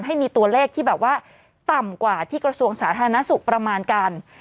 ให้มีตัวเลขที่แบบว่าต่ำกว่าที่กระทรวงสาธารณสุขประมาณกัน